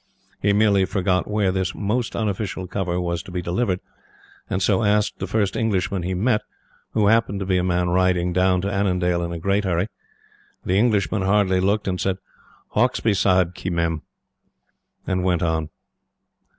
He merely forgot where this most unofficial cover was to be delivered, and so asked the first Englishman he met, who happened to be a man riding down to Annandale in a great hurry. The Englishman hardly looked, said: "Hauksbee Sahib ki Mem," and went on.